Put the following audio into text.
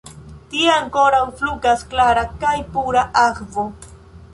Tie ankoraŭ fluas klara kaj pura akvo.